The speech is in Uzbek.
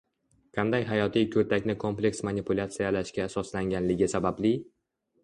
qanday hayotiy kurtakni kompleks manipulyatsiyalashga asoslanganligi sababli